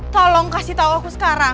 tolong kasih tahu aku sekarang